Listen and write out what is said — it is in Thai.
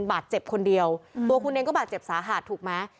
บาดเจ็บคนเดียวตัวคุณเองก็บาดเจ็บสาหัสถูกไหม